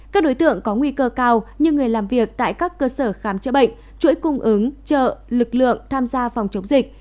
các đối tượng có nguy cơ cao như người làm việc tại các cơ sở khám chữa bệnh chuỗi cung ứng chợ lực lượng tham gia phòng chống dịch